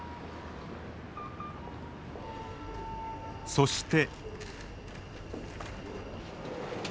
そして。